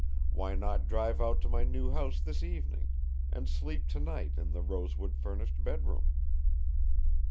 Why not drive out to my new house this evening and sleep tonight in the rosewood furnished bedroom?